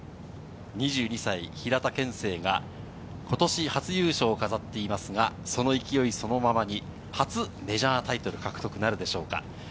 ２２歳、平田憲聖がことし初優勝を飾っていますが、その勢いそのままに初メジャータイトル獲得なるでしょうか。